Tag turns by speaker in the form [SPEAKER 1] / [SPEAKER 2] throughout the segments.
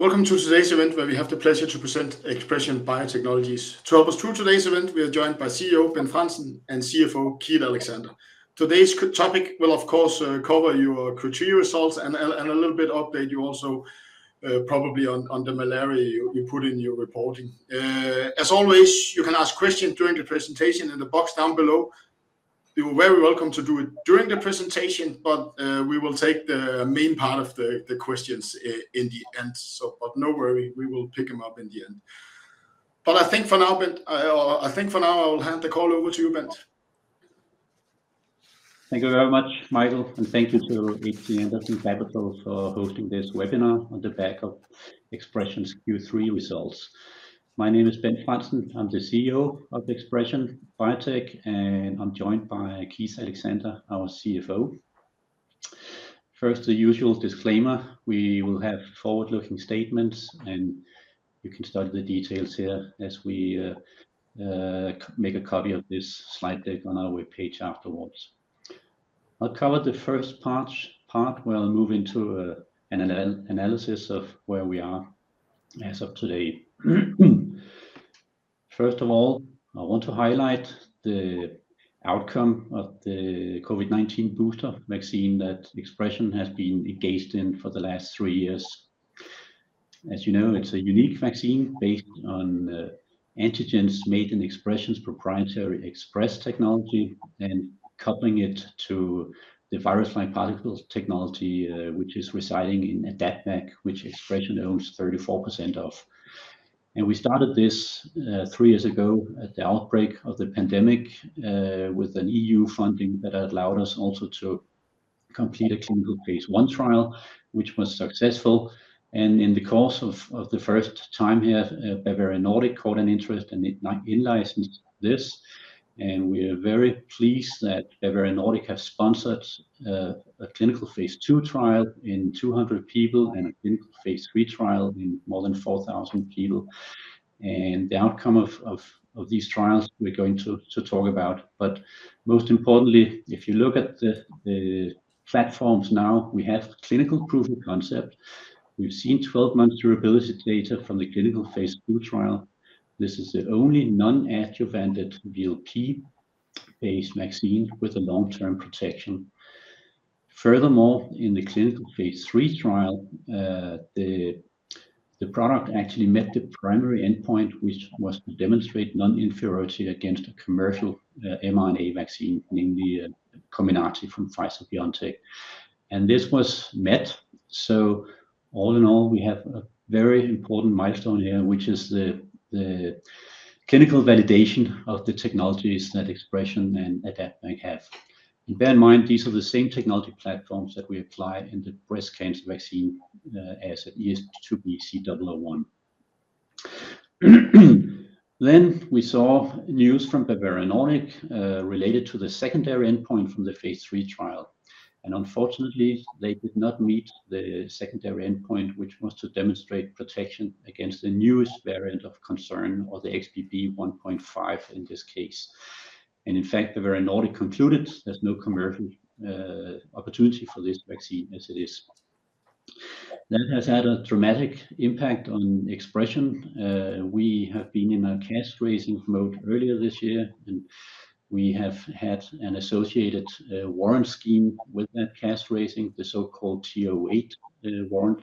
[SPEAKER 1] Welcome to today's event, where we have the pleasure to present ExpreS2ion Biotechnologies. To help us through today's event, we are joined by CEO Bent Frandsen and CFO Keith Alexander. Today's topic will, of course, cover your Q3 results and a little bit update you also, probably on the malaria you put in your reporting. As always, you can ask questions during the presentation in the box down below. You are very welcome to do it during the presentation, but we will take the main part of the questions in the end. So but no worry, we will pick them up in the end. But I think for now, Bent, I think for now, I will hand the call over to you, Bent.
[SPEAKER 2] Thank you very much, Michael, and thank you to H.C. Andersen Capital for hosting this webinar on the back of ExpreS2ion's Q3 results. My name is Bent Frandsen. I'm the CEO of ExpreS2ion Biotech, and I'm joined by Keith Alexander, our CFO. First, the usual disclaimer, we will have forward-looking statements, and you can study the details here as we make a copy of this slide deck on our webpage afterwards. I'll cover the first part, part where I'll move into an analysis of where we are as of today. First of all, I want to highlight the outcome of the COVID-19 booster vaccine that ExpreS2ion has been engaged in for the last three years. As you know, it's a unique vaccine based on, antigens made in ExpreS2ion's proprietary ExpreS2™ technology and coupling it to the virus-like particles technology, which is residing in AdaptVac, which ExpreS2ion owns 34% of. We started this, three years ago at the outbreak of the pandemic, with an EU funding that allowed us also to complete a clinical phase I trial, which was successful. In the course of the first time here, Bavarian Nordic caught an interest and it now in-licensed this, and we are very pleased that Bavarian Nordic has sponsored, a clinical phase II trial in 200 people and a clinical phase III trial in more than 4,000 people. The outcome of these trials, we're going to talk about. But most importantly, if you look at the platforms now, we have clinical proof of concept. We've seen 12-month durability data from the clinical phase II trial. This is the only non-adjuvanted VLP-based vaccine with a long-term protection. Furthermore, in the clinical phase III trial, the product actually met the primary endpoint, which was to demonstrate non-inferiority against a commercial mRNA vaccine, namely the Comirnaty from Pfizer-BioNTech. And this was met, so all in all, we have a very important milestone here, which is the clinical validation of the technologies that ExpreS2ion and AdaptVac have. And bear in mind, these are the same technology platforms that we apply in the breast cancer vaccine, as ES2B-C001. Then we saw news from Bavarian Nordic, related to the secondary endpoint from the phase III trial, and unfortunately, they did not meet the secondary endpoint, which was to demonstrate protection against the newest variant of concern or the XBB.1.5 in this case. And in fact, Bavarian Nordic concluded there's no commercial, opportunity for this vaccine as it is. That has had a dramatic impact on ExpreS2ion. We have been in a cash raising mode earlier this year, and we have had an associated, warrant scheme with that cash raising, the so-called TO8, warrant,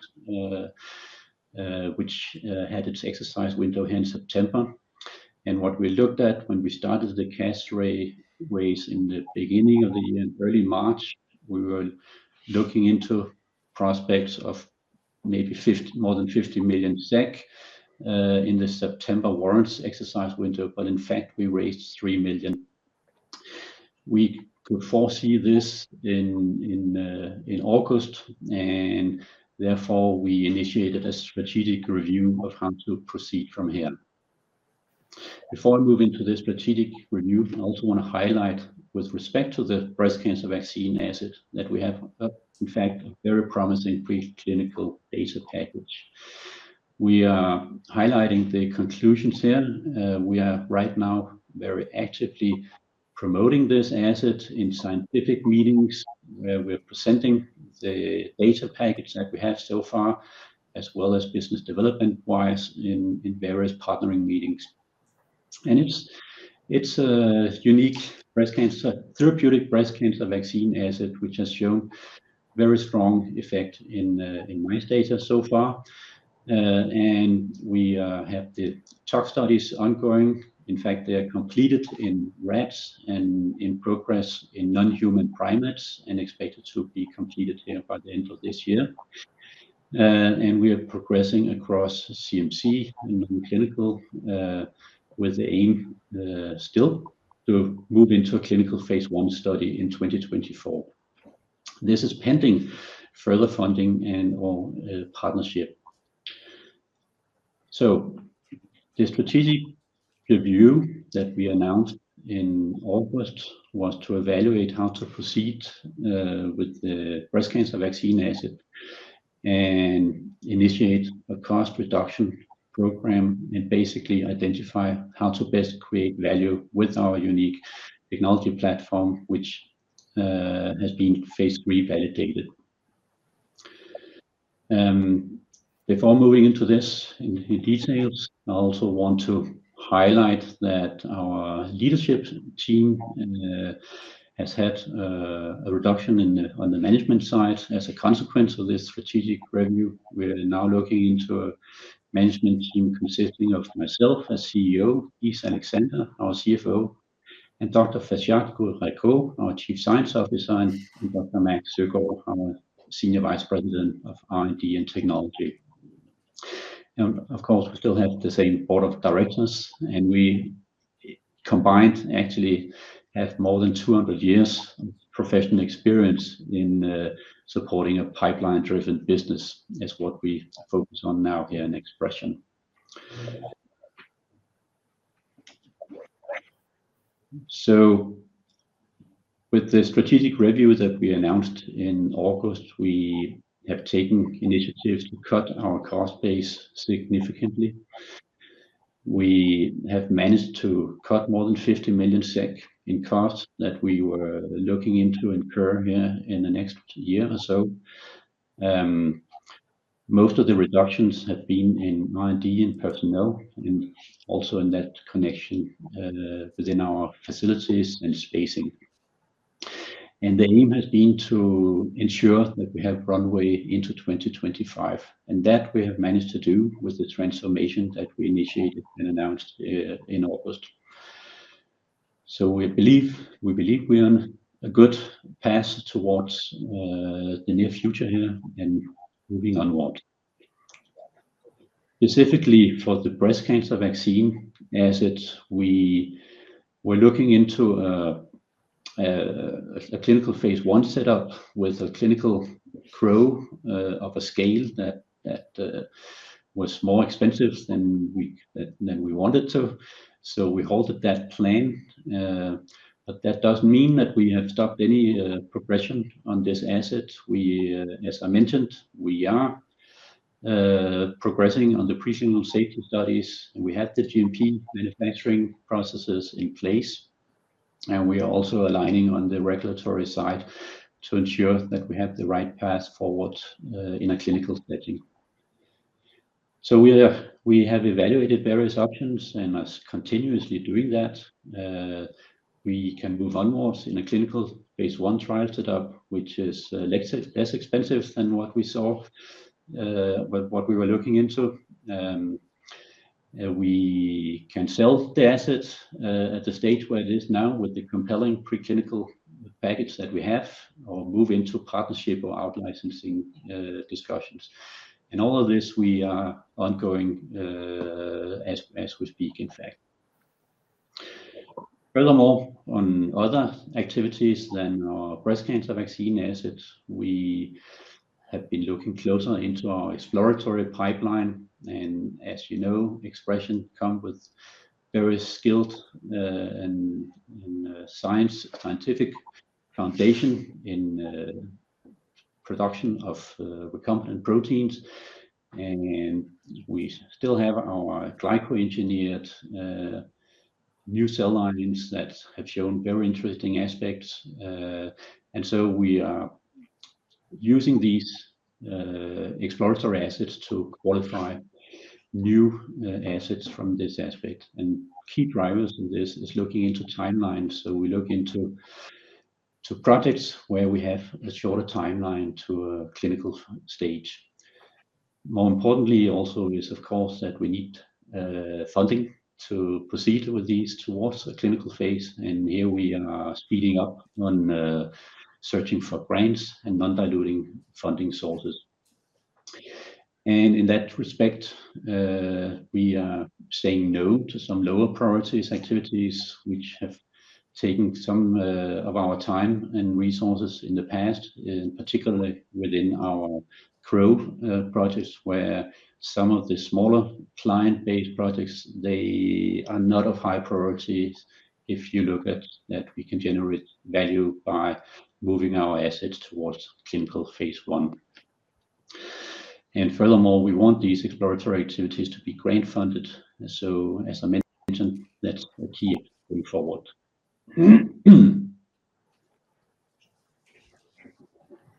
[SPEAKER 2] which, had its exercise window here in September. What we looked at when we started the cash raise in the beginning of the year, in early March, we were looking into prospects of maybe 50, more than 50 million SEK, in the September warrants exercise window, but in fact, we raised 3 million. We could foresee this in August, and therefore, we initiated a strategic review of how to proceed from here. Before I move into the strategic review, I also want to highlight with respect to the breast cancer vaccine asset that we have, in fact, a very promising preclinical data package. We are highlighting the conclusions here. We are right now very actively promoting this asset in scientific meetings, where we're presenting the data package that we have so far, as well as business development-wise in various partnering meetings. It's a unique breast cancer therapeutic breast cancer vaccine asset, which has shown very strong effect in mouse data so far. We have the tox studies ongoing. In fact, they are completed in rats and in progress in non-human primates and expected to be completed here by the end of this year. We are progressing across CMC and clinical with the aim still to move into a clinical phase I study in 2024. This is pending further funding and/or partnership. So the strategic review that we announced in August was to evaluate how to proceed with the breast cancer vaccine asset and initiate a cost reduction program, and basically identify how to best create value with our unique technology platform, which has been phase III validated. Before moving into this in details, I also want to highlight that our leadership team has had a reduction on the management side as a consequence of this strategic review. We are now looking into a management team consisting of myself as CEO, Keith Alexander, our CFO, and Dr. Farshad Guirakhoo, our Chief Science Officer, and Dr. Max Søgaard, our Senior Vice President of R&D and Technology. Of course, we still have the same board of directors, and we combined actually have more than 200 years of professional experience in supporting a pipeline-driven business, is what we focus on now here in ExpreS2ion. So with the strategic review that we announced in August, we have taken initiatives to cut our cost base significantly. We have managed to cut more than 50 million SEK in costs that we were looking to incur here in the next year or so. Most of the reductions have been in R&D and personnel, and also in that connection, within our facilities and spacing. The aim has been to ensure that we have runway into 2025, and that we have managed to do with the transformation that we initiated and announced in August. We believe, we believe we are on a good path towards the near future here and moving onward. Specifically, for the breast cancer vaccine asset, we were looking into a clinical phase I setup with a clinical CRO of a scale that was more expensive than we wanted to, so we halted that plan. But that doesn't mean that we have stopped any progression on this asset. We, as I mentioned, we are progressing on the preclinical safety studies, and we have the GMP manufacturing processes in place. We are also aligning on the regulatory side to ensure that we have the right path forward in a clinical setting. So we have evaluated various options, and as continuously doing that, we can move onwards in a clinical phase I trial setup, which is less expensive than what we saw, but what we were looking into. We can sell the assets at the stage where it is now with the compelling preclinical package that we have, or move into partnership or out-licensing discussions. All of this, we are ongoing as we speak, in fact. Furthermore, on other activities than our breast cancer vaccine assets, we have been looking closer into our exploratory pipeline. As you know, ExpreS2ion comes with very skilled, and scientific foundation in production of recombinant proteins. And we still have our glyco-engineered new cell lines that have shown very interesting aspects. So we are using these exploratory assets to qualify new assets from this aspect. Key drivers in this is looking into timelines, so we look into projects where we have a shorter timeline to a clinical stage. More importantly, also is, of course, that we need funding to proceed with these towards a clinical phase, and here we are speeding up on searching for grants and non-diluting funding sources. In that respect, we are saying no to some lower priority activities, which have taken some of our time and resources in the past, and particularly within our CRO projects, where some of the smaller client-based projects, they are not of high priority if you look at that we can generate value by moving our assets towards clinical phase I. Furthermore, we want these exploratory activities to be grant funded. As I mentioned, that's a key going forward.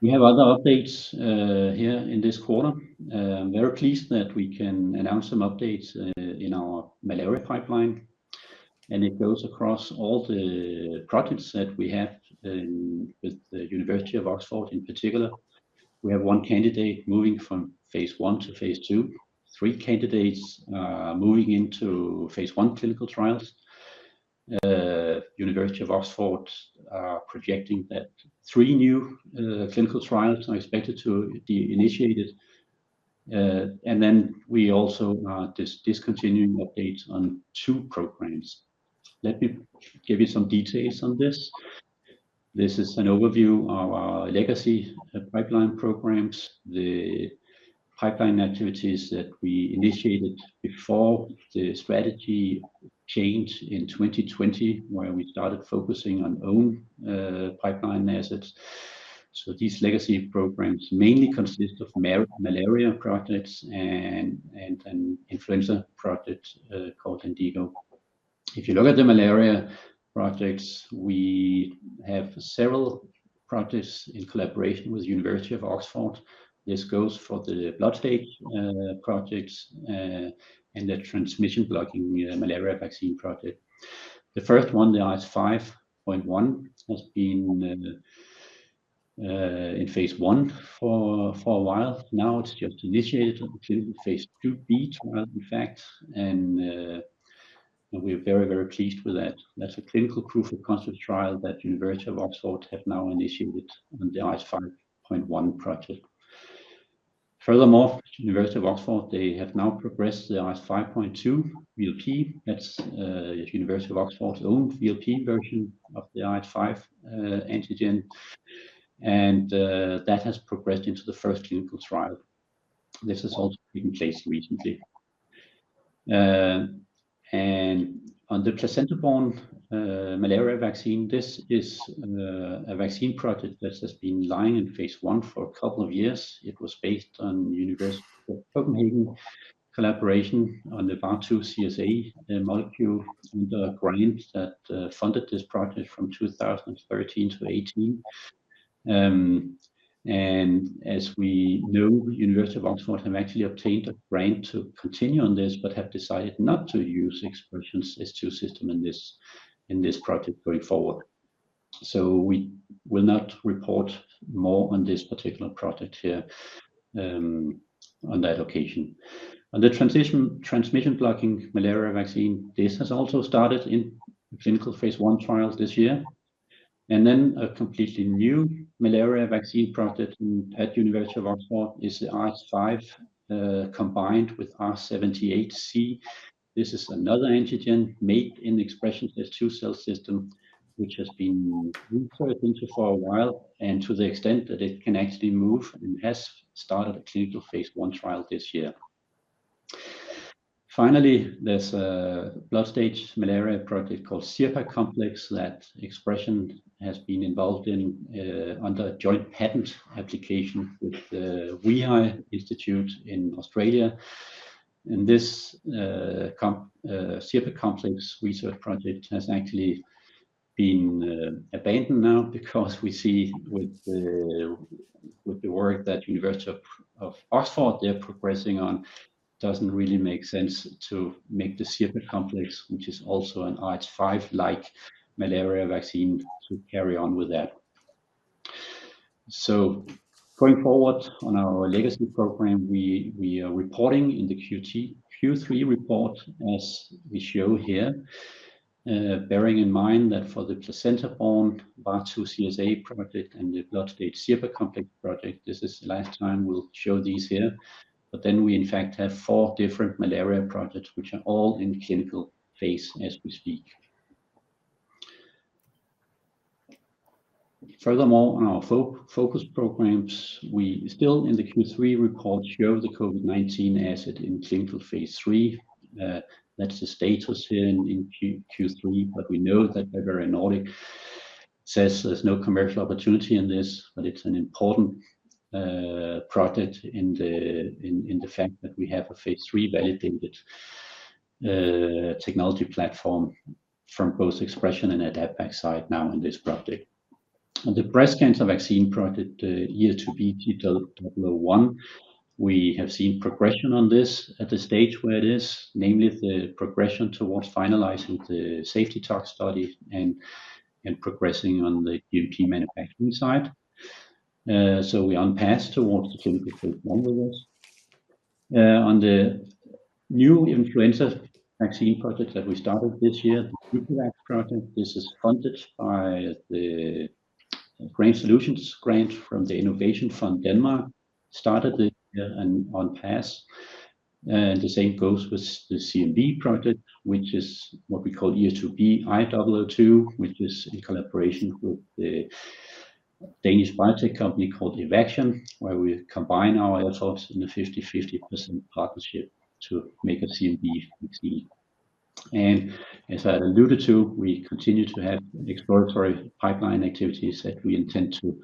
[SPEAKER 2] We have other updates here in this quarter. I'm very pleased that we can announce some updates in our malaria pipeline, and it goes across all the projects that we have with the University of Oxford in particular. We have one candidate moving from phase I to phase II, three candidates moving into phase I clinical trials. University of Oxford are projecting that three new clinical trials are expected to be initiated. And then we also discontinuing updates on two programs. Let me give you some details on this. This is an overview of our legacy pipeline programs, the pipeline activities that we initiated before the strategy change in 2020, where we started focusing on own pipeline assets. So these legacy programs mainly consist of malaria projects and influenza projects called INDIGO. If you look at the malaria projects, we have several projects in collaboration with University of Oxford. This goes for the blood stage projects and the transmission blocking malaria vaccine project. The first one, the RH5.1, has been in phase I for a while. Now, it's just initiated a clinical phase IIb trial, in fact, and we're very, very pleased with that. That's a clinical proof of concept trial that University of Oxford have now initiated on the RH5.1 project. Furthermore, University of Oxford, they have now progressed the RH5.2 VLP. That's University of Oxford's own VLP version of the RH5 antigen, and that has progressed into the first clinical trial. This has also been placed recently. And on the placenta-borne malaria vaccine, this is a vaccine project that has been lying in phase I for a couple of years. It was based on University of Copenhagen collaboration on the VAR2CSA molecule, under a grant that funded this project from 2013 to 2018. As we know, University of Oxford have actually obtained a grant to continue on this, but have decided not to use ExpreS2ion's S2 system in this, in this project going forward. So we will not report more on this particular project here, on that occasion. On the transmission-blocking malaria vaccine, this has also started in clinical phase I trials this year. Then a completely new malaria vaccine project at University of Oxford is the RH5 combined with R78C. This is another antigen made in ExpreS2ion's S2 cell system, which has been researched into for a while, and to the extent that it can actually move, and has started a clinical phase I trial this year. Finally, there's a blood stage malaria project called CyRPA Complex that ExpreS2ion has been involved in, under a joint patent application with the WEHI Institute in Australia. This CyRPA Complex research project has actually been abandoned now because we see with the work that University of Oxford they're progressing on, doesn't really make sense to make the CyRPA Complex, which is also an RH5-like malaria vaccine, to carry on with that. So going forward on our legacy program, we are reporting in the Q3 report, as we show here, bearing in mind that for the placenta-borne VAR2CSA project and the blood-stage CyRPA Complex project, this is the last time we'll show these here. But then we, in fact, have four different malaria projects, which are all in clinical phase as we speak. Furthermore, on our focus programs, we still, in the Q3 report, show the COVID-19 asset in clinical phase III. That's the status here in Q3, but we know that Bavarian Nordic says there's no commercial opportunity in this, but it's an important project in the fact that we have a phase III-validated technology platform from both ExpreS2ion and AdaptVac side now in this project. On the breast cancer vaccine project, the ES2B-C001, we have seen progression on this at the stage where it is, namely the progression towards finalizing the safety tox study and progressing on the GMP manufacturing side. So we are on path towards the clinical phase I with this. On the new influenza vaccine project that we started this year, the FluVac project, this is funded by the Grand Solutions grant from the Innovation Fund Denmark, started it, and on path. The same goes with the CMV project, which is what we call ES2B-I002, which is in collaboration with a Danish biotech company called Evaxion, where we combine our efforts in a 50/50% partnership to make a CMV vaccine. As I alluded to, we continue to have exploratory pipeline activities that we intend to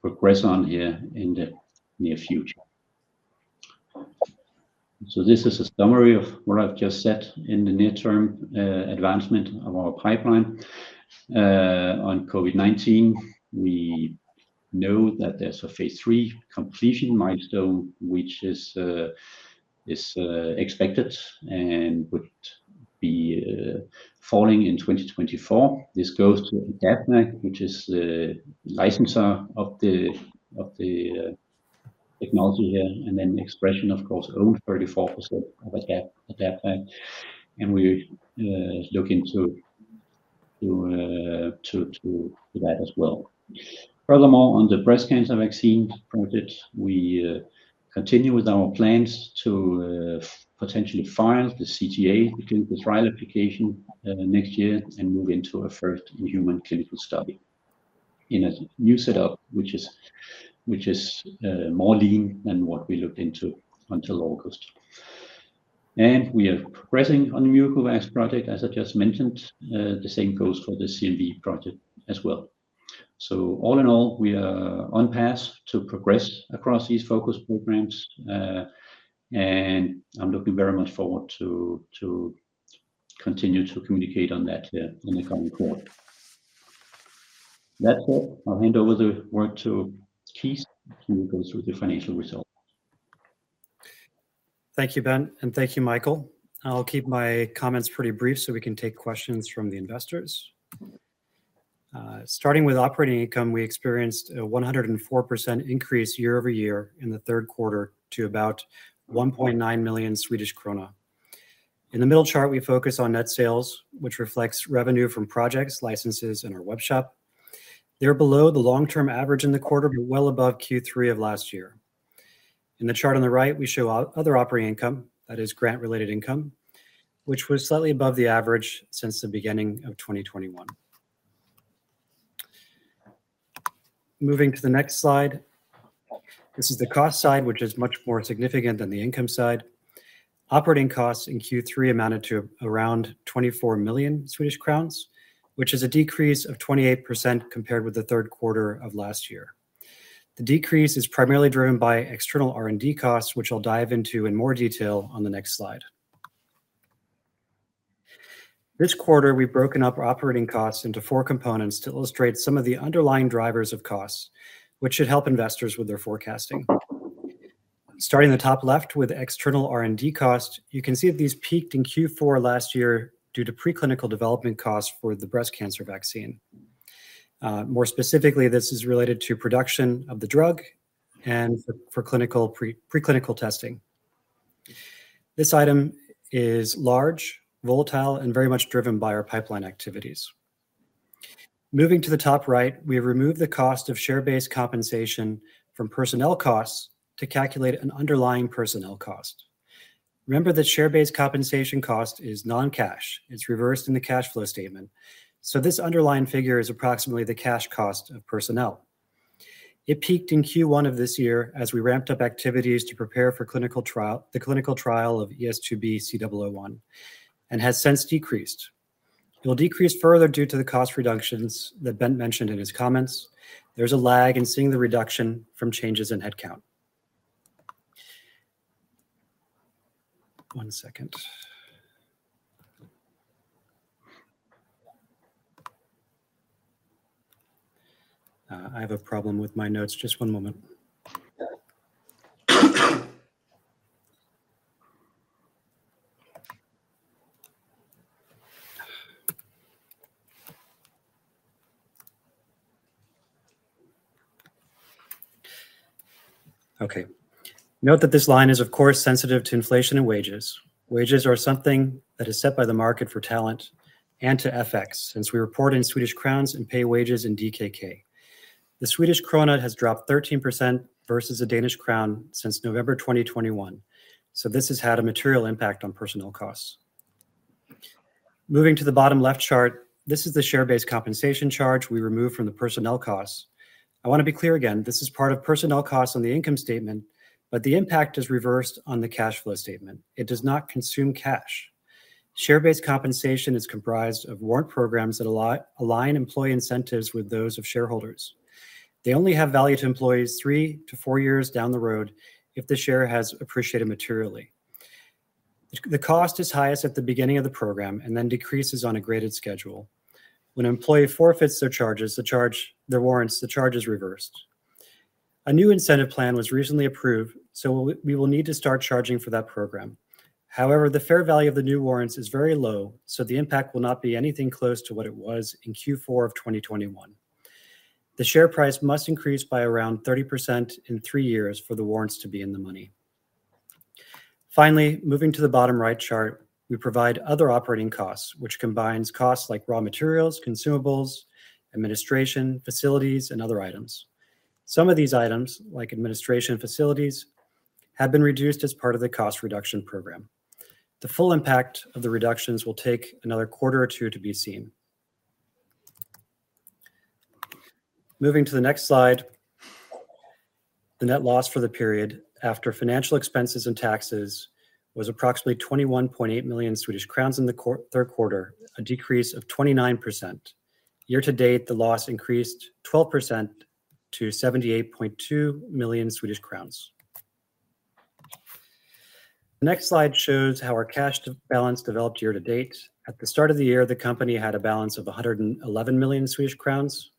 [SPEAKER 2] progress on here in the near future. This is a summary of what I've just said in the near-term advancement of our pipeline. On COVID-19, we know that there's a phase III completion milestone, which is expected and would be falling in 2024. This goes to AdaptVac, which is the licensor of the technology here, and then ExpreS2ion, of course, owns 34% of AdaptVac, and we're looking to that as well. Furthermore, on the breast cancer vaccine project, we continue with our plans to potentially file the CTA, the clinical trial application, next year, and move into a first human clinical study in a new setup, which is more lean than what we looked into until August. We are progressing on the MukoVac project, as I just mentioned. The same goes for the CMV project as well. So all in all, we are on path to progress across these focus programs, and I'm looking very much forward to continue to communicate on that in the coming quarter. That's all. I'll hand over the work to Keith, who will go through the financial results.
[SPEAKER 3] Thank you, Bent, and thank you, Michael. I'll keep my comments pretty brief so we can take questions from the investors. Starting with operating income, we experienced a 104% increase year-over-year in the Q3 to about 1.9 million Swedish krona. In the middle chart, we focus on net sales, which reflects revenue from projects, licenses, and our webshop. They're below the long-term average in the quarter, but well above Q3 of last year. In the chart on the right, we show other operating income, that is, grant-related income, which was slightly above the average since the beginning of 2021. Moving to the next slide, this is the cost side, which is much more significant than the income side. Operating costs in Q3 amounted to around 24 million Swedish crowns, which is a decrease of 28% compared with the Q3 of last year. The decrease is primarily driven by external R&D costs, which I'll dive into in more detail on the next slide. This quarter, we've broken up our operating costs into four components to illustrate some of the underlying drivers of costs, which should help investors with their forecasting. Starting in the top left with external R&D cost, you can see that these peaked in Q4 last year due to preclinical development costs for the breast cancer vaccine. More specifically, this is related to production of the drug and for clinical preclinical testing. This item is large, volatile, and very much driven by our pipeline activities. Moving to the top right, we have removed the cost of share-based compensation from personnel costs to calculate an underlying personnel cost. Remember that share-based compensation cost is non-cash. It's reversed in the cash flow statement, so this underlying figure is approximately the cash cost of personnel. It peaked in Q1 of this year as we ramped up activities to prepare for clinical trial, the clinical trial of ES2B-C001, and has since decreased. It will decrease further due to the cost reductions that Bent mentioned in his comments. There's a lag in seeing the reduction from changes in headcount. One second. I have a problem with my notes. Just one moment. Okay. Note that this line is, of course, sensitive to inflation and wages. Wages are something that is set by the market for talent and to FX, since we report in Swedish crowns and pay wages in DKK. The Swedish krona has dropped 13% versus a Danish krone since November 2021, so this has had a material impact on personnel costs. Moving to the bottom left chart, this is the share-based compensation charge we removed from the personnel costs. I want to be clear again, this is part of personnel costs on the income statement, but the impact is reversed on the cash flow statement. It does not consume cash. Share-based compensation is comprised of warrant programs that align employee incentives with those of shareholders. They only have value to employees three to four years down the road if the share has appreciated materially. The cost is highest at the beginning of the program and then decreases on a graded schedule. When an employee forfeits their warrants, the charge is reversed. A new incentive plan was recently approved, so we will need to start charging for that program. However, the fair value of the new warrants is very low, so the impact will not be anything close to what it was in Q4 of 2021. The share price must increase by around 30% in three years for the warrants to be in the money. Finally, moving to the bottom right chart, we provide other operating costs, which combines costs like raw materials, consumables, administration, facilities, and other items. Some of these items, like administration facilities, have been reduced as part of the cost reduction program. The full impact of the reductions will take another quarter or two to be seen. Moving to the next slide, the net loss for the period after financial expenses and taxes was approximately 21.8 million Swedish crowns in the Q3, a decrease of 29%. Year to date, the loss increased 12% to SEK 78.2 million. The next slide shows how our cash balance developed year to date. At the start of the year, the company had a balance of 111 million Swedish crowns.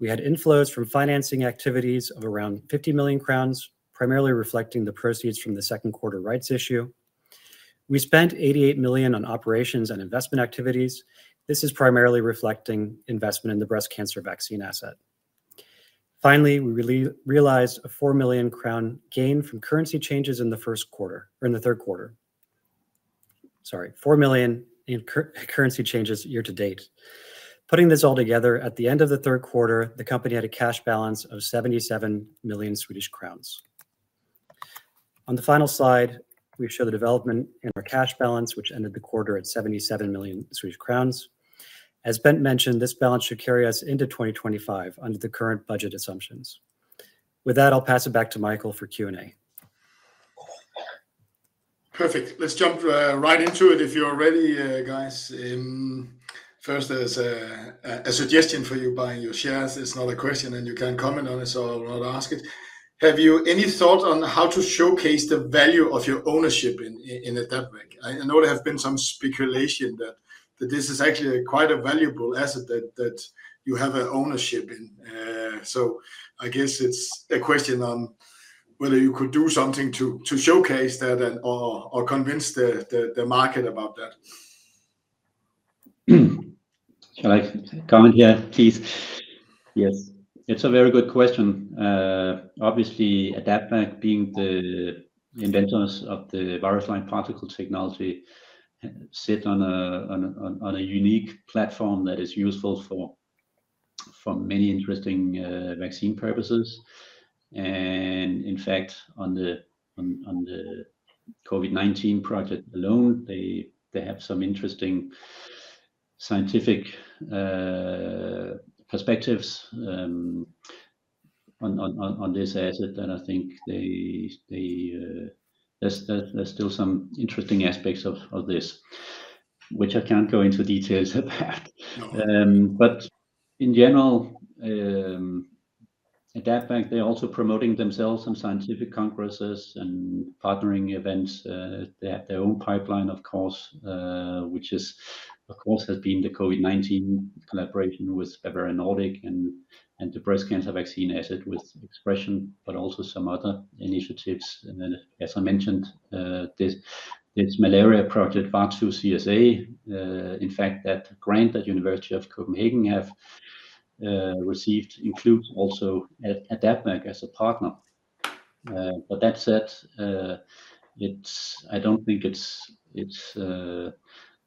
[SPEAKER 3] We had inflows from financing activities of around 50 million crowns, primarily reflecting the proceeds from the Q2 rights issue. We spent 88 million on operations and investment activities. This is primarily reflecting investment in the breast cancer vaccine asset. Finally, we realized a 4 million crown gain from currency changes in the Q1, or in the Q3. Sorry, 4 million in currency changes year to date. Putting this all together, at the end of the Q3, the company had a cash balance of 77 million Swedish crowns. On the final slide, we show the development in our cash balance, which ended the quarter at 77 million Swedish crowns. As Bent mentioned, this balance should carry us into 2025 under the current budget assumptions. With that, I'll pass it back to Michael for Q&A.
[SPEAKER 1] Perfect. Let's jump right into it if you're ready, guys. First, there's a suggestion for you buying your shares. It's not a question, and you can comment on it, so I'll ask it. Have you any thought on how to showcase the value of your ownership in AdaptVac? I know there have been some speculation that this is actually a quite a valuable asset that you have an ownership in. So I guess it's a question on whether you could do something to showcase that and or convince the market about that?
[SPEAKER 2] Can I comment? Yeah, please. Yes, it's a very good question. Obviously, AdaptVac being the inventors of the virus-like particle technology, sit on a unique platform that is useful for many interesting vaccine purposes. And in fact, on the COVID-19 project alone, they have some interesting scientific perspectives on this asset that I think they. There's still some interesting aspects of this, which I can't go into details about.
[SPEAKER 1] No.
[SPEAKER 2] But in general, AdaptVac, they're also promoting themselves on scientific congresses and partnering events. They have their own pipeline, of course, which is, of course, has been the COVID-19 collaboration with Bavarian Nordic and the breast cancer vaccine asset with ExpreS2ion, but also some other initiatives. And then, as I mentioned, this malaria project, VAR2CSA, in fact, that grant that University of Copenhagen have received includes also AdaptVac as a partner. But that said, it's, I don't think it's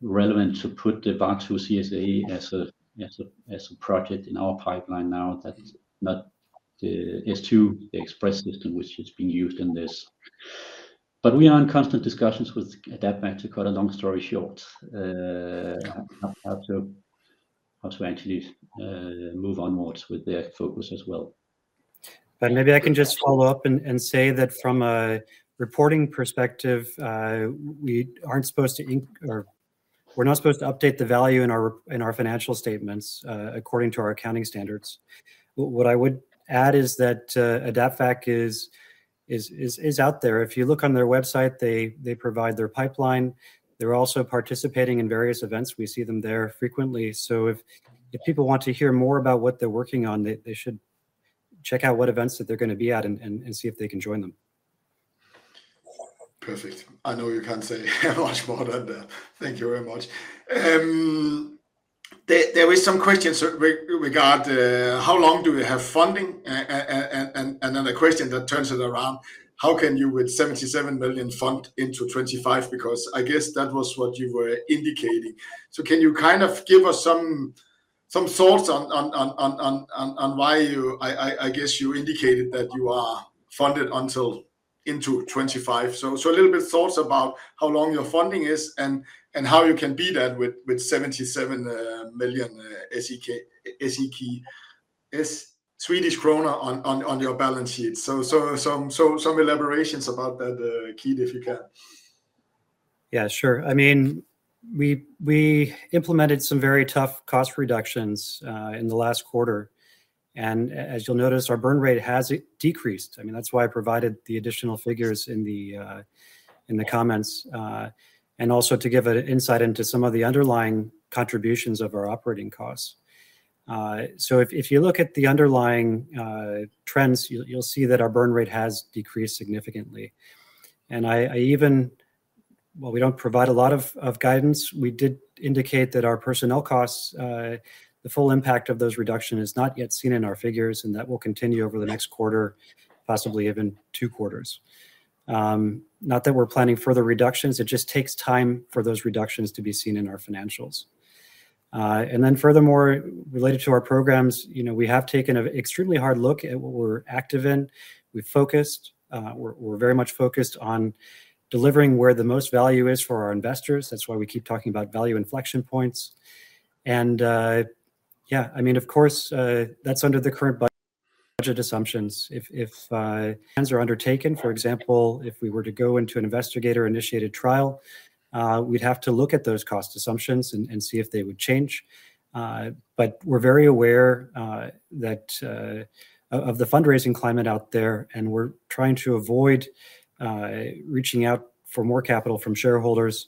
[SPEAKER 2] relevant to put the VAR2CSA as a project in our pipeline now. That is not the ExpreS2 system which is being used in this. But we are in constant discussions with AdaptVac to cut a long story short, how to actually move onwards with their focus as well.
[SPEAKER 3] But maybe I can just follow up and say that from a reporting perspective, we aren't supposed to include or we're not supposed to update the value in our financial statements, according to our accounting standards. What I would add is that AdaptVac is out there. If you look on their website, they provide their pipeline. They're also participating in various events. We see them there frequently. So if people want to hear more about what they're working on, they should check out what events that they're gonna be at and see if they can join them.
[SPEAKER 1] Perfect. I know you can't say much more than that. Thank you very much. There was some questions regarding how long do we have funding? And then a question that turns it around, how can you, with 77 million fund into 2025? Because I guess that was what you were indicating. So can you kind of give us some thoughts on why you, I guess you indicated that you are funded until into 2025. So a little bit thoughts about how long your funding is and how you can be that with 77 million SEK, which is Swedish krona, on your balance sheet. So some elaborations about that, Keith, if you can.
[SPEAKER 3] Yeah, sure. I mean, we implemented some very tough cost reductions in the last quarter. And as you'll notice, our burn rate has decreased. I mean, that's why I provided the additional figures in the comments, and also to give an insight into some of the underlying contributions of our operating costs. So if you look at the underlying trends, you'll see that our burn rate has decreased significantly. And I even well, we don't provide a lot of guidance. We did indicate that our personnel costs, the full impact of those reductions is not yet seen in our figures, and that will continue over the next quarter, possibly even two quarters. Not that we're planning further reductions, it just takes time for those reductions to be seen in our financials. And then furthermore, related to our programs, you know, we have taken an extremely hard look at what we're active in. We've focused, we're very much focused on delivering where the most value is for our investors. That's why we keep talking about value inflection points. And, yeah, I mean, of course, that's under the current budget assumptions. If plans are undertaken, for example, if we were to go into an investigator-initiated trial, we'd have to look at those cost assumptions and see if they would change. But we're very aware that of the fundraising climate out there, and we're trying to avoid reaching out for more capital from shareholders,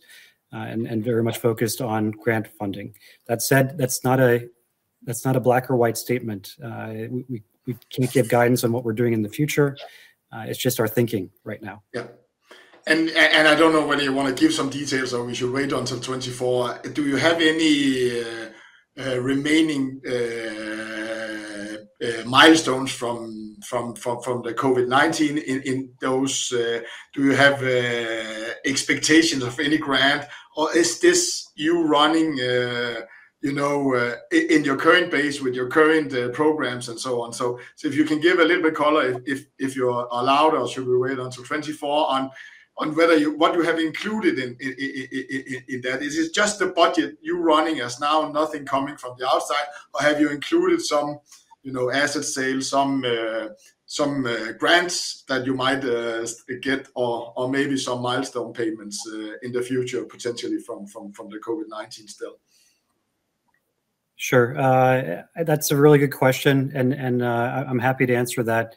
[SPEAKER 3] and very much focused on grant funding. That said, that's not a black or white statement. We can't give guidance on what we're doing in the future. It's just our thinking right now.
[SPEAKER 1] Yeah. And I don't know whether you wanna give some details, or we should wait until 2024. Do you have any remaining milestones from the COVID-19 in those? Do you have expectations of any grant, or is this you running, you know, in your current base, with your current programs and so on. So if you can give a little bit color, if you're allowed, or should we wait until 2024 on whether you what you have included in in that? Is it just the budget you're running as of now, nothing coming from the outside, or have you included some, you know, asset sales, some grants that you might get or maybe some milestone payments in the future, potentially from the COVID-19 still?
[SPEAKER 3] Sure. That's a really good question, and I'm happy to answer that.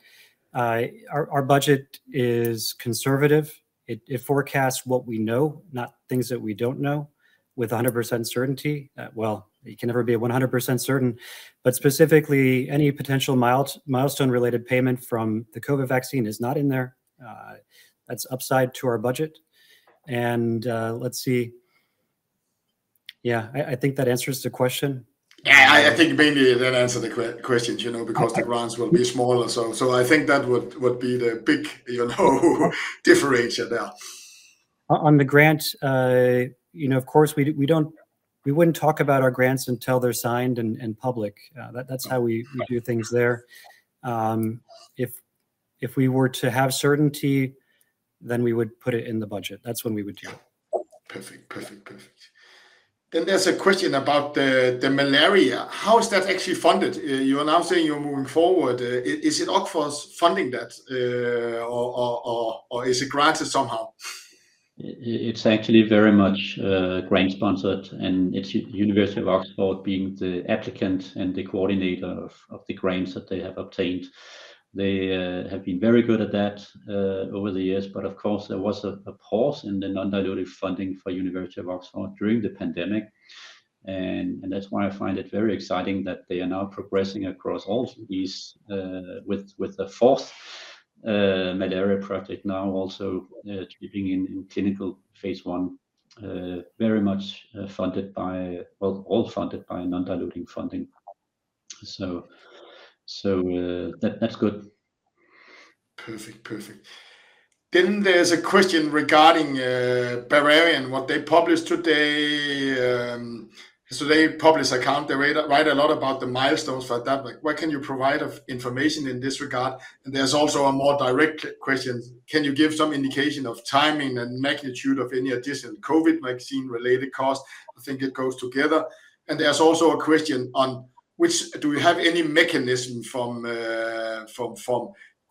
[SPEAKER 3] Our budget is conservative. It forecasts what we know, not things that we don't know with 100% certainty. Well, you can never be 100% certain, but specifically any potential milestone-related payment from the COVID vaccine is not in there. That's upside to our budget. Let's see. Yeah, I think that answers the question.
[SPEAKER 1] Yeah, I think maybe that answer the questions, you know, because
[SPEAKER 3] Okay
[SPEAKER 1] the grants will be smaller. So, I think that would be the big, you know, differentiator there.
[SPEAKER 3] On the grants, you know, of course, we wouldn't talk about our grants until they're signed and public. That's how we
[SPEAKER 1] Okay
[SPEAKER 3] we do things there. If we were to have certainty, then we would put it in the budget. That's when we would do.
[SPEAKER 1] Perfect, perfect, perfect. Then there's a question about the malaria. How is that actually funded? You are now saying you're moving forward. Is it Oxford's funding that, or is it granted somehow?
[SPEAKER 2] It's actually very much grant-sponsored, and it's University of Oxford being the applicant and the coordinator of the grants that they have obtained. They have been very good at that over the years, but of course, there was a pause in the non-dilutive funding for University of Oxford during the pandemic. And that's why I find it very exciting that they are now progressing across all these with the fourth malaria project now also being in phase I. Very much funded by, well, all funded by non-dilutive funding. So that that's good.
[SPEAKER 1] Perfect. Perfect. Then there's a question regarding Bavarian Nordic, what they published today. So they published accounts, they write a lot about the milestones like that, but what can you provide of information in this regard? And there's also a more direct question: Can you give some indication of timing and magnitude of any additional COVID vaccine-related cost? I think it goes together. And there's also a question on which do we have any mechanism from your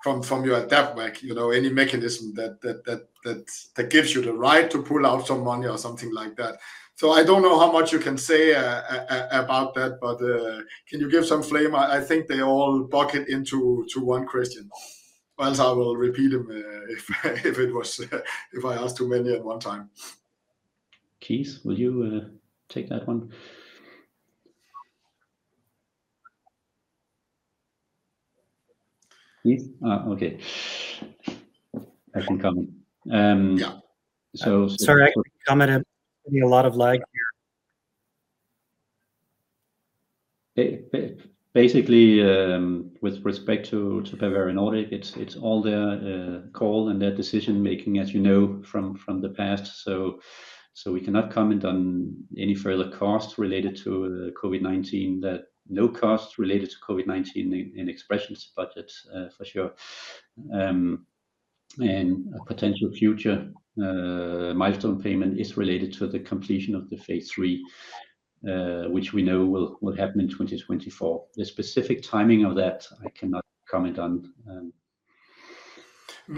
[SPEAKER 1] AdaptVac? You know, any mechanism that gives you the right to pull out some money or something like that. So I don't know how much you can say about that, but can you give some flavor? I think they all bucket into to one question, or else I will repeat them, if it was if I asked too many at one time.
[SPEAKER 2] Keith, will you take that one? Keith? Okay. I can comment. So,
[SPEAKER 3] Sorry, I comment, having a lot of lag here.
[SPEAKER 2] Basically, with respect to Bavarian Nordic, it's all their call and their decision-making, as you know from the past. So we cannot comment on any further costs related to the COVID-19, that no costs related to COVID-19 in ExpreS2ion's budget, for sure. And a potential future milestone payment is related to the completion of the phase III, which we know will happen in 2024. The specific timing of that, I cannot comment on.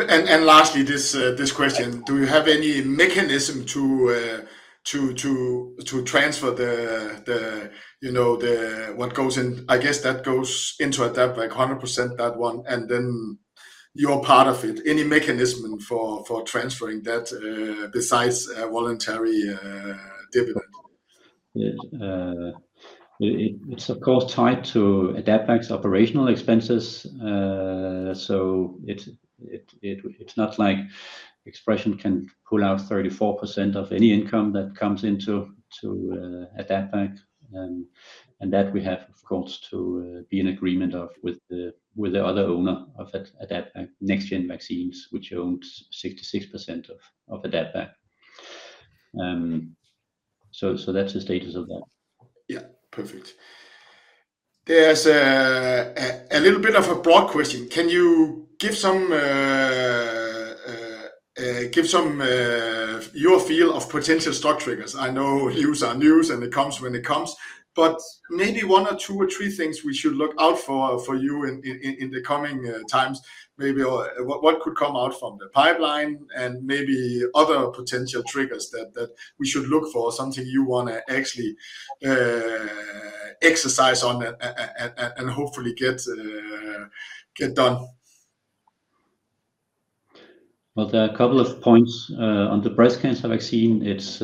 [SPEAKER 1] And lastly, this question: Do you have any mechanism to transfer the, you know, the what goes in, I guess that goes into AdaptVac 100%, that one, and then your part of it. Any mechanism for transferring that, besides a voluntary dividend?
[SPEAKER 2] It's of course tied to AdaptVac's operational expenses. So it's not like ExpreS2ion can pull out 34% of any income that comes into to AdaptVac. And that we have, of course, to be in agreement of with the other owner of that AdaptVac, NextGen Vaccines, which owns 66% of AdaptVac. So that's the status of that.
[SPEAKER 1] Yeah, perfect. There's a little bit of a broad question: Can you give some your feel of potential stock triggers? I know news are news, and it comes when it comes, but maybe one or two or three things we should look out for you in the coming times. Maybe what could come out from the pipeline and maybe other potential triggers that we should look for, something you want to actually exercise on and hopefully get done.
[SPEAKER 2] Well, there are a couple of points on the breast cancer vaccine. It's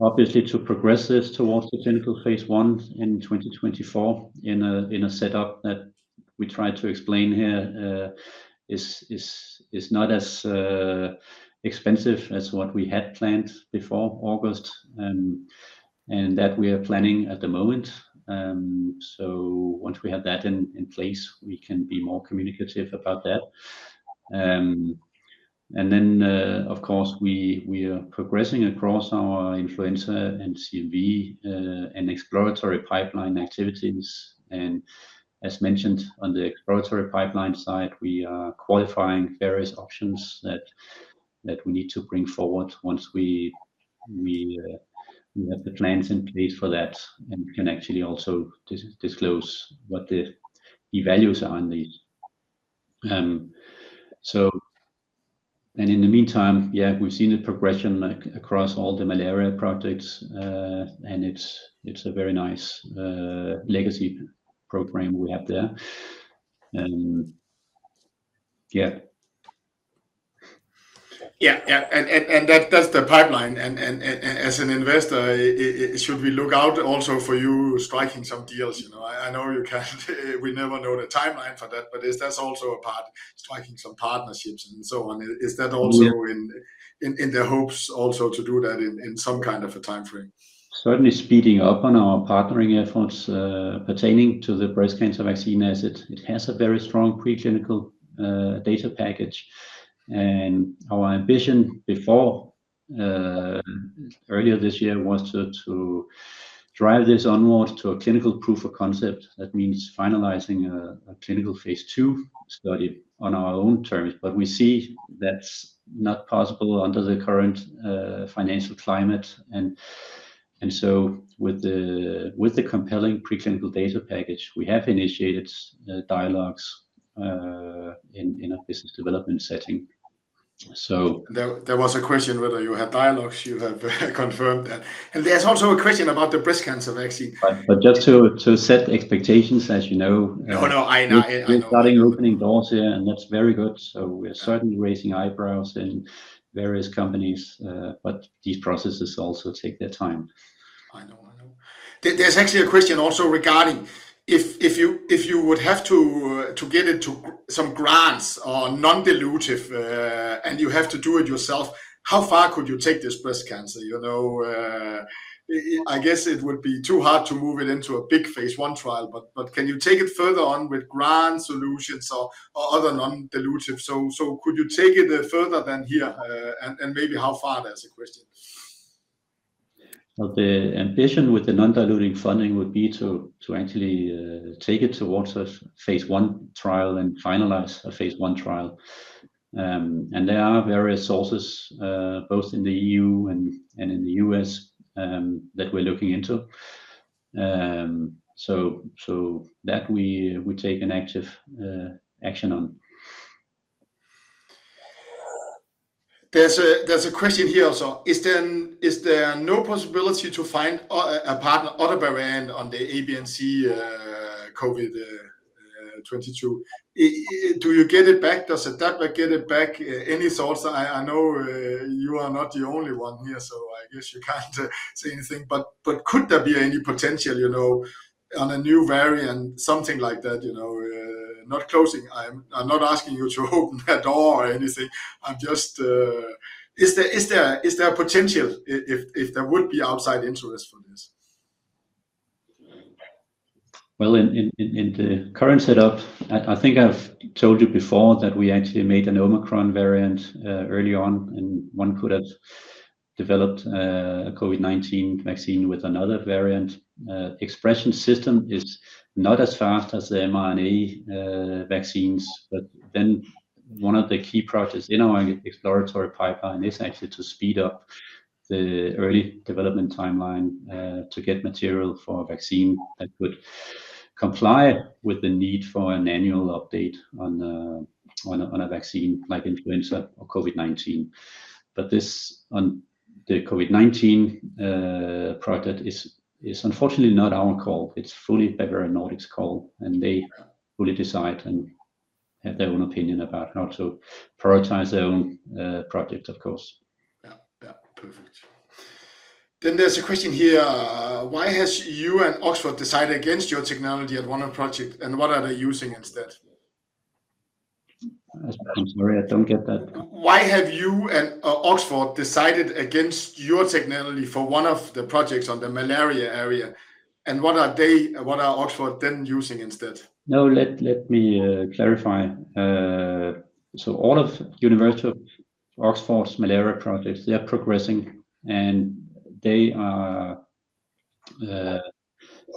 [SPEAKER 2] obviously to progress this towards the clinical phase I in 2024, in a setup that we tried to explain here is not as expensive as what we had planned before August. And that we are planning at the moment, so once we have that in place, we can be more communicative about that. And then, of course, we are progressing across our influenza and CV and exploratory pipeline activities. And as mentioned on the exploratory pipeline side, we are qualifying various options that we need to bring forward once we have the plans in place for that, and we can actually also disclose what the values are on these. In the meantime, yeah, we've seen a progression, like, across all the malaria projects, and it's a very nice legacy program we have there. Yeah.
[SPEAKER 1] Yeah, that's the pipeline. As an investor, should we look out also for you striking some deals, you know? I know you can't. We never know the timeline for that, but is this also a part, striking some partnerships and so on.
[SPEAKER 2] Mm-hmm.
[SPEAKER 1] Is that also in the hopes also to do that in some kind of a timeframe?
[SPEAKER 2] Certainly speeding up on our partnering efforts, pertaining to the breast cancer vaccine, as it has a very strong pre-clinical data package. And our ambition before, earlier this year, was to drive this onwards to a clinical proof of concept. That means finalizing a clinical phase II study on our own terms, but we see that's not possible under the current financial climate. And so with the compelling pre-clinical data package, we have initiated dialogues in a business development setting. So,
[SPEAKER 1] There was a question whether you had dialogues, you have confirmed that. There's also a question about the breast cancer vaccine.
[SPEAKER 2] But just to set expectations, as you know,
[SPEAKER 1] Oh, no, I know, I know.
[SPEAKER 2] We're starting opening doors here, and that's very good, so we're certainly raising eyebrows in various companies. But these processes also take their time.
[SPEAKER 1] I know, I know. There's actually a question also regarding if you would have to get into some grants or non-dilutive, and you have to do it yourself, how far could you take this breast cancer? You know, I guess it would be too hard to move it into a big phase I trial, but can you take it further on with Grand Solutions or other non-dilutive? So could you take it further than here, and maybe how far? That's the question.
[SPEAKER 2] Well, the ambition with the non-diluting funding would be to actually take it towards a phase I trial and finalize a phase I trial. And there are various sources both in the EU and in the U.S. that we're looking into. So that we take an active action on.
[SPEAKER 1] There's a question here also: Is there no possibility to find a partner other brand on the ABNCoV2? Do you get it back? Does AdaptVac get it back, any source? I know you are not the only one here, so I guess you can't say anything. But could there be any potential, you know, on a new variant, something like that, you know? Not closing, I'm not asking you to open a door or anything. I'm just, is there potential if there would be outside interest for this?
[SPEAKER 2] Well, in the current setup, I think I've told you before that we actually made an Omicron variant early on, and one could have developed a COVID-19 vaccine with another variant. Expression system is not as fast as the mRNA vaccines, but then one of the key projects in our exploratory pipeline is actually to speed up the early development timeline to get material for a vaccine that would comply with the need for an annual update on a vaccine like influenza or COVID-19. But this, on the COVID-19 project is unfortunately not our call. It's fully Bavarian Nordic's call, and they fully decide and have their own opinion about how to prioritize their own project, of course.
[SPEAKER 1] Yeah, yeah. Perfect. Then there's a question here: Why has you and Oxford decided against your technology at one project, and what are they using instead?
[SPEAKER 2] I'm sorry, I don't get that.
[SPEAKER 1] Why have you and Oxford decided against your technology for one of the projects on the malaria area, and what are they, what are Oxford then using instead?
[SPEAKER 2] No, let me clarify. So all of University of Oxford's malaria projects, they are progressing, and they are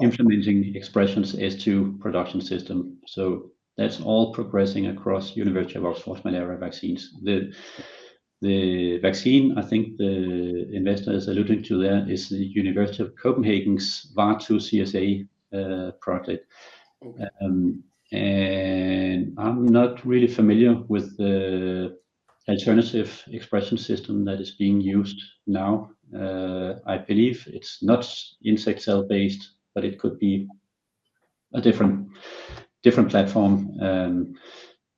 [SPEAKER 2] implementing ExpreS2 as their production system. So that's all progressing across University of Oxford malaria vaccines. The vaccine, I think the investor is alluding to there, is the University of Copenhagen's VAR2CSA project. And I'm not really familiar with the alternative expression system that is being used now. I believe it's not insect cell-based, but it could be a different platform.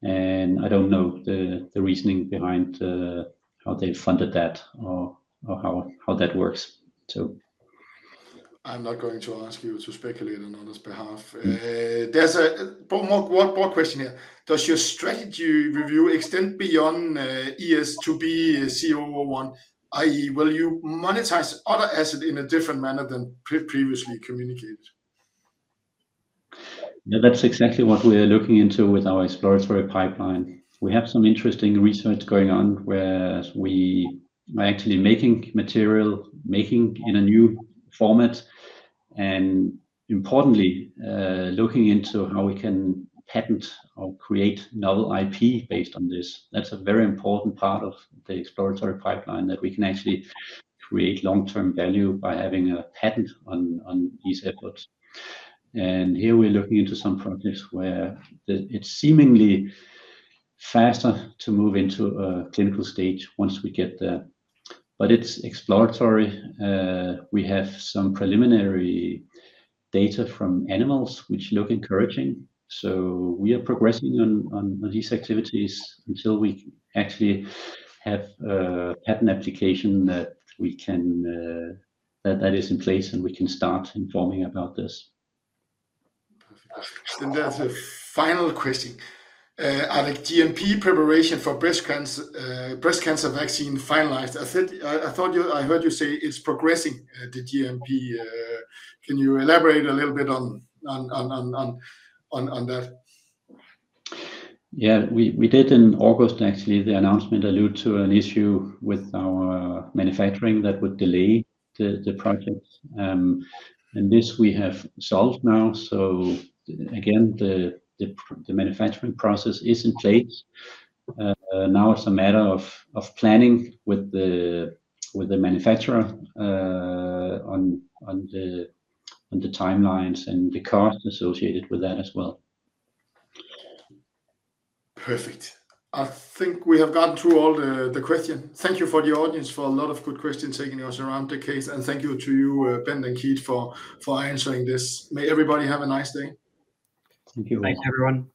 [SPEAKER 2] And I don't know the reasoning behind how they funded that or how that works, so.
[SPEAKER 1] I'm not going to ask you to speculate on others' behalf. There's one more question here: Does your strategy review extend beyond ES2B-C001, i.e., will you monetize other asset in a different manner than previously communicated?
[SPEAKER 2] Yeah, that's exactly what we are looking into with our exploratory pipeline. We have some interesting research going on, where we are actually making material, making in a new format, and importantly, looking into how we can patent or create novel IP based on this. That's a very important part of the exploratory pipeline, that we can actually create long-term value by having a patent on these efforts. Here we're looking into some projects where it's seemingly faster to move into a clinical stage once we get there, but it's exploratory. We have some preliminary data from animals which look encouraging, so we are progressing on these activities until we actually have a patent application that we can, that is in place, and we can start informing about this.
[SPEAKER 1] Perfect. Then there's a final question. Are the GMP preparation for breast cancer vaccine finalized? I thought you, I heard you say it's progressing, the GMP. Can you elaborate a little bit on that?
[SPEAKER 2] Yeah. We did in August, actually, the announcement alluded to an issue with our manufacturing that would delay the project. And this we have solved now. So again, the manufacturing process is in place. Now it's a matter of planning with the manufacturer on the timelines and the costs associated with that as well.
[SPEAKER 1] Perfect. I think we have gone through all the questions. Thank you to the audience for a lot of good questions, taking us around the case, and thank you to you, Bent and Keith, for answering this. May everybody have a nice day.
[SPEAKER 2] Thank you. Thanks, everyone.